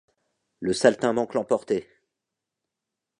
Le saltimbanque l’emportait !